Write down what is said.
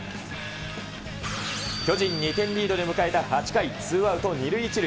巨人２点リードで迎えた８回、ツーアウト２塁１塁。